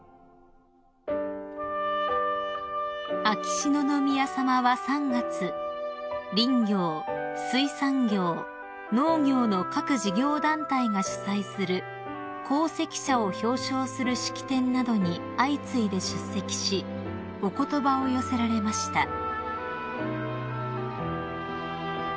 ［秋篠宮さまは３月林業水産業農業の各事業団体が主催する功績者を表彰する式典などに相次いで出席しお言葉を寄せられました］